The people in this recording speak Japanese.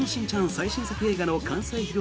最新作映画の完成披露